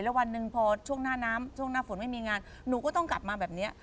แล้ววันหนึ่งพอช่วงหน้าน้ำช่วงหน้าฝนไม่มีงานหนูก็ต้องกลับมาแบบนี้